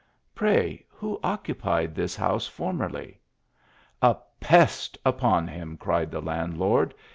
Pray who occupied this house formerly ?"" A pest upon him !" cried the landlord.